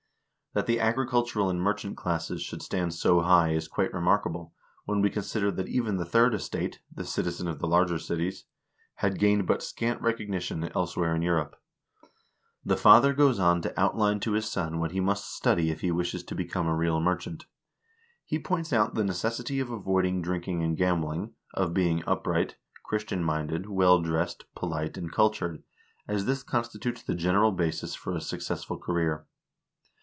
That the agricultural and merchant classes should stand so high is quite re markable, when we consider that even the third estate (the citizen of the larger cities) had gained but scant recognition elsewhere in Europe. The father goes on to outline to his son what he must study if he wishes to become a real merchant. He points out the necessity of avoiding drinking and gambling, of being upright, Christian minded, well dressed, polite, and cultured, as this con stitutes the general basis for a successful career.